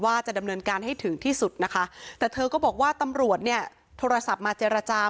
ว่าจะดำเนินการให้ถึงที่สุดนะคะแต่เธอก็บอกว่าตำรวจเนี่ยโทรศัพท์มาเจรจา